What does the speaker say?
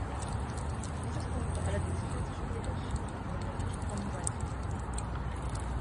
Dieses Buch war allerdings viel zu spät erschienen, um der Ursprung sein zu können.